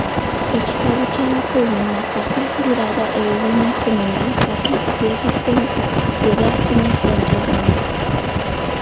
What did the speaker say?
Ebitabo by'abakulu mu Masaka biraga ebibiina kkumi na bisatu bye byafunye ssente zino